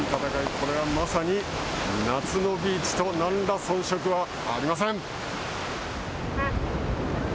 これはまさに夏のビーチと何ら遜色ありません。